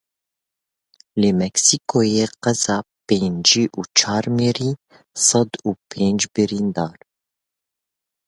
Li Meksîkoyê qeza pêncî û çar mirî, sed û pênc birîndar.